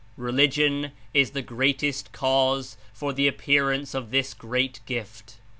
Religion is the greatest cause for (the appearance of) this great gift.